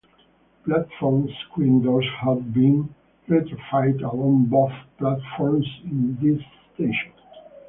Platform screen doors have been retrofitted along both platforms in this station.